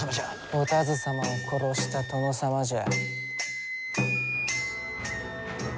お田鶴様を殺した殿様じゃ。